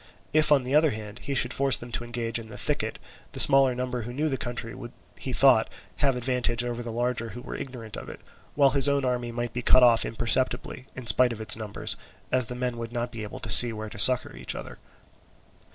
If, on the other hand, he should force them to engage in the thicket, the smaller number who knew the country would, he thought, have the advantage over the larger who were ignorant of it, while his own army might be cut off imperceptibly, in spite of its numbers, as the men would not be able to see where to succour each other.